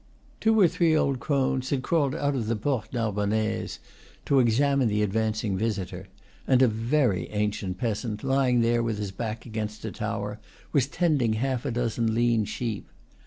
Two or three old crones had crawled out of the Porte Nar bonnaise, to examine the advancing visitor; and a very ancient peasant, lying there with his back against a tower, was tending half a dozen lean sheep.